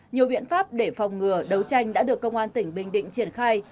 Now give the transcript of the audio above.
nhiều biện pháp để phòng ngừa đấu tranh đã được công an tỉnh bình định triển khai